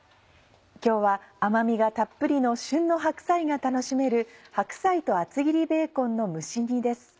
今日は甘みがたっぷりの旬の白菜が楽しめる「白菜と厚切りベーコンの蒸し煮」です。